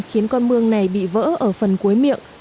khiến con mương này bị vỡ ở phần cuối miệng